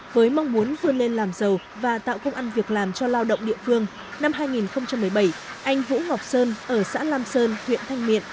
với mong muốn vươn lên làm giàu và tạo công ăn việc làm cho lao động địa phương năm hai nghìn một mươi bảy anh vũ ngọc sơn ở xã lam sơn huyện thanh miện